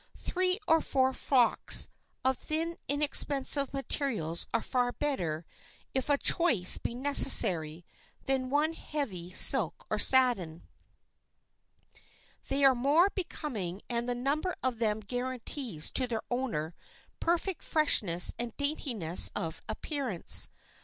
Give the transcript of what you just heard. Three or four frocks of thin inexpensive materials are far better, if a choice be necessary, than one heavy silk or satin. They are more becoming and the number of them guarantees to their owner perfect freshness and daintiness of appearance.